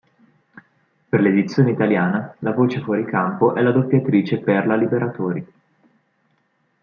Per l'edizione italiana la voce fuori campo è la doppiatrice Perla Liberatori.